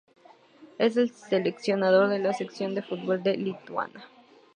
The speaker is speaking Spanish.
Es el seleccionador de la selección de fútbol de Lituania.